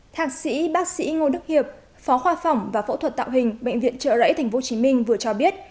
thạc sĩ bác sĩ ngô đức hiệp phó khoa phòng và phẫu thuật tạo hình bệnh viện trợ rẫy tp hcm vừa cho biết